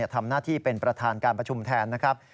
ทำหน้าที่เป็นประธานการประชุมแทนนะครับ